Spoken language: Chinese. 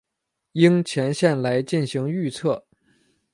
樱前线来进行预测。